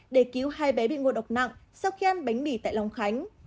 để cứu hai bé bị ngộ độc nặng sau khi ăn bánh mì tại long khánh